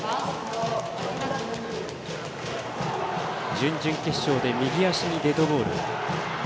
準々決勝で右足にデッドボール。